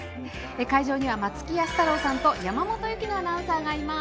会場には松木安太郎さんと山本雪乃アナウンサーがいます。